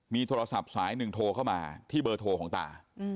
มีโทรศัพท์สายหนึ่งโทรเข้ามาที่เบอร์โทรของตา